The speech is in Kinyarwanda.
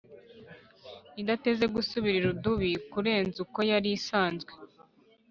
, idateze gusubira irudubi kurenza uko yari isanzwe